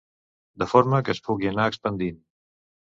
De forma que es pugui anar expandint.